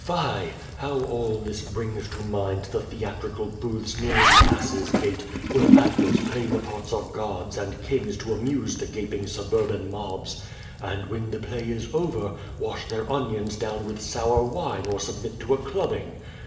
Fie! How all this brings to mind the theatrical booths near the Asses' Gate, where actors play the parts of gods and kings to amuse the gaping suburban mobs, and when the play is over, wash theii onions down with sour wine or submit to a clubbing.